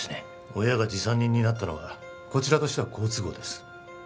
親が持参人になったのはこちらとしては好都合です